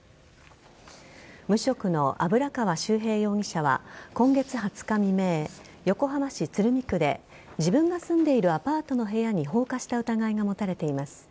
無職の油川秀平容疑者は今月２０日未明、横浜市鶴見区で自分が住んでいるアパートの部屋に放火した疑いが持たれています。